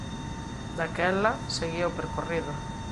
Daquela, seguía o percorrido.